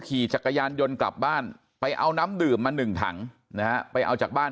ขี่จักรยานยนต์กลับบ้านไปเอาน้ำดื่มมาหนึ่งถังนะฮะไปเอาจากบ้าน